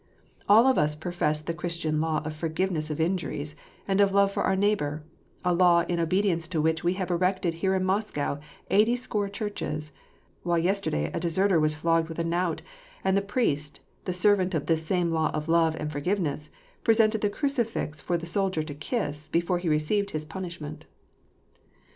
All of us profess the Christian law of forgiveness of injuries, and of love for our neighbor, — a law in obedience to which we have erected, here in Moscow, eighty score churches; while yesterday a deserter was flogged with the knout, and the priest, the servant of this same law of love and forgiveness, presented the crucifix for the soldier to kiss, before he received his punishment."